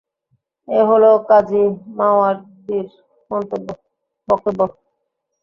এ হলো কাযী মাওয়ারদির বক্তব্য।